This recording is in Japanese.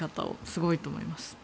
すごいと思います。